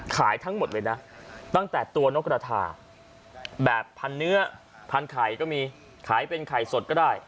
ขายเป็นไข่สดก็ได้ขายเป็นไข่แปมรูปก็ได้